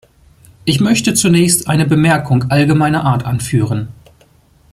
Ich möchte zunächst eine Bemerkung allgemeiner Art anführen.